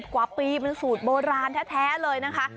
กว่าปีเป็นสูตรโบราณแท้เลยนะคะ